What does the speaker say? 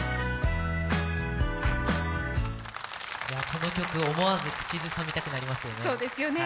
この曲思わず口ずさみたくなりますよね。